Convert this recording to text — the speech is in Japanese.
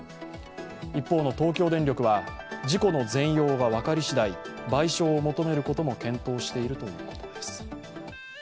一方の東京電力は、事故の全容が分かりしだい賠償を求めることも検討しているということです。